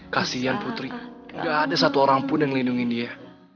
kasian putri gak ada satu orang pun yang lindungi dia